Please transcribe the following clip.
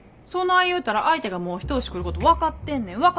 そない言うたら相手がもう一押し来ること分かってんねん。